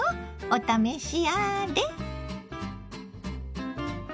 お試しあれ。